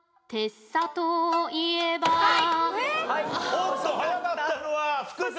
おっと早かったのは福君！